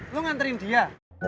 lu nganterin dia